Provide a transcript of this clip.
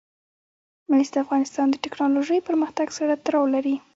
مس د افغانستان د تکنالوژۍ پرمختګ سره تړاو لري.